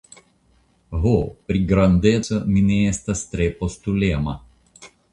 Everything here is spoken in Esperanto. Ho, pri grandeco, mi ne estas tre postulema.